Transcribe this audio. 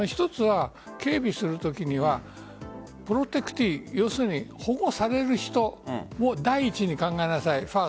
警備をするときにはプロテクティー保護される人を第一に考えなさい。